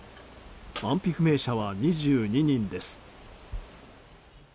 安否不明者は２２人です。